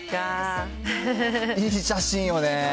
いい写真よね。